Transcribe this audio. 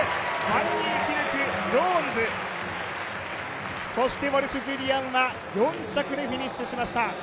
バン・ニーキルクジョーンズそしてウォルシュ・ジュリアンは４着でフィニッシュしました。